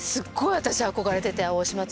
私憧れてて大島紬。